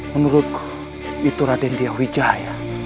menurutku itu radendia wijaya